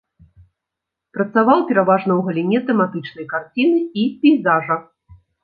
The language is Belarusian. Працаваў пераважна ў галіне тэматычнай карціны і пейзажа.